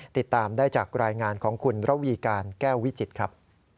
ติดตามได้จากรายงานของคุณระวีการแก้ววิจิตรครับ